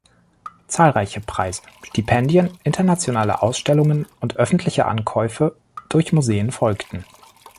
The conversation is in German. Zahlreiche Preise, Stipendien, internationale Ausstellungen und öffentliche Ankäufe durch Museen folgten.